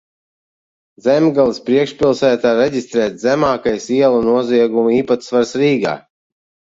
Zemgales priekšpilsētā reģistrēts zemākais ielu noziegumu īpatsvars Rīgā.